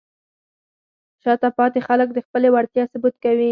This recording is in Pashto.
شاته پاتې خلک د خپلې وړتیا ثبوت کوي.